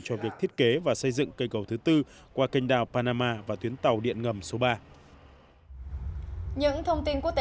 cho việc thiết kế và xây dựng cây cầu thứ tư qua kênh đảo panama và tuyến tàu điện ngầm số ba